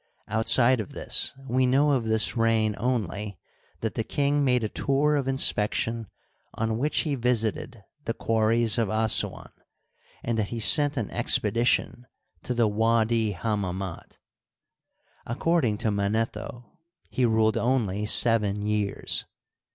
Outside of this we know of this reign only that the king made a tour of inspection on which he visited the quarries of Assuan, and that he sent an expedition to the Widi Hammamit. According to Manetho, he ruled only seven years.